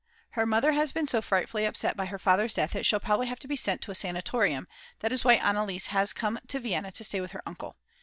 Her mother has been so frightfully upset by her father's death that she'll probably have to be sent to a sanatorium; that is why Anneliese has come to Vienna to stay with her uncle.